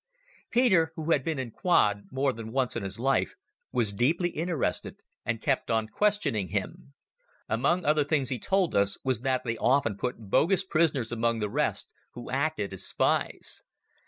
Peter, who had been in quod more than once in his life, was deeply interested and kept on questioning him. Among other things he told us was that they often put bogus prisoners among the rest, who acted as spies.